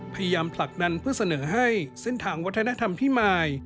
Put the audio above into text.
ผลักดันเพื่อเสนอให้เส้นทางวัฒนธรรมพิมาย